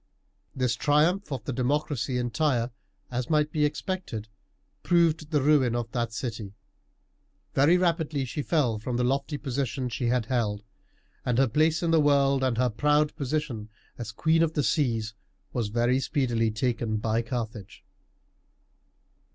This triumph of the democracy in Tyre, as might be expected, proved the ruin of that city. Very rapidly she fell from the lofty position she had held, and her place in the world and her proud position as Queen of the Seas was very speedily taken by Carthage.